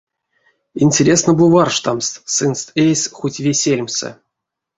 Интересна бу варштамс сынст эйс хоть ве сельмсэ.